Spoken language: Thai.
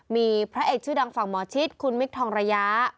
มีพระเอกชื่อดังฝั่งหมอชิดคุณมิคทองระยะ